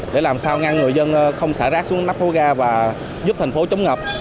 để làm sao ngăn người dân không xả rác xuống nắp hố ga và giúp thành phố chống ngập